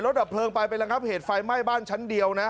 ดับเพลิงไปไประงับเหตุไฟไหม้บ้านชั้นเดียวนะ